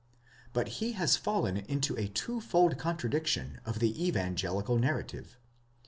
Buthe has fallen into a twofold contradiction of the evangelical narrative.